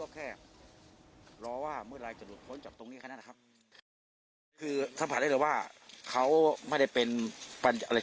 คือสัมผัสได้เลยว่าเขาไม่ได้เป็นปัจจักร